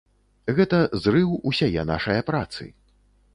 Гэта зрыў усяе нашае працы.